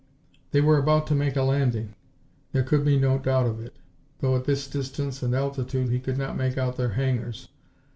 They were about to make a landing! There could be no doubt of it, though at this distance and altitude he could not make out their hangars.